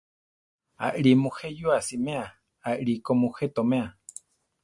Aʼrí muje yúa siméa, aʼlí ko mujé toméa.